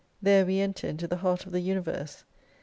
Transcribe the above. There we enter into the heart of the universe.